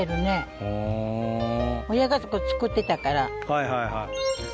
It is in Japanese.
はいはいはい。